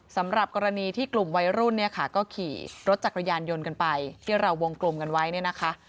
สำหรับกรณีที่กลุ่มวัยรุ่นเนี่ยค่ะก็ขี่รถจักรยานยนต์กันไปที่เราวงกลมกันไว้เนี่ยนะคะ